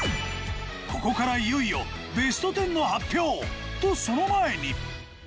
ここからいよいよベスト１０の発表！とその前に。